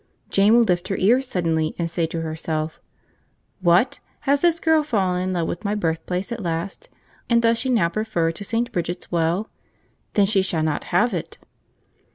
Jane will lift her ears suddenly, and say to herself: 'What! has this girl fallen in love with my birthplace at last, and does she now prefer it to St. Bridget's Well? Then she shall not have it!'